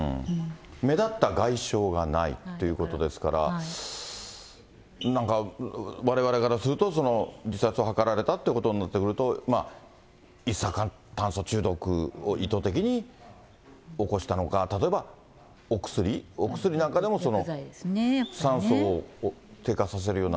目立った外傷がないということですから、なんか、われわれからすると、自殺を図られたということになってくると、一酸化炭素中毒を意図的に起こしたのか、例えばお薬、お薬なんかでも酸素を低下させるような。